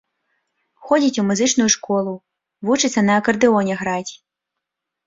Ходзіць у музычную школу, вучыцца на акардэоне граць.